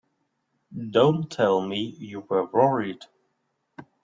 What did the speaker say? Don't tell me you were worried!